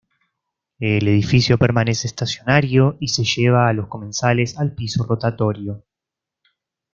El edificio permanece estacionario y se lleva a los comensales al piso rotatorio.